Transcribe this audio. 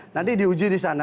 nanti diuji di sana